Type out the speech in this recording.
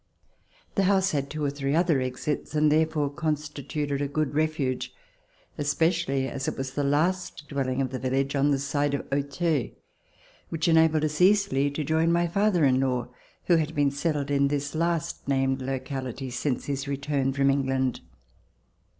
The house had two or three other exits and therefore constituted a good refuge, especially as it was the last dwelling of the village on the side of Auteuil, which enabled us easily to join my father in law who had been settled in this last named locality since his C 13S ] FLIGHT TO BORDEAUX return from England.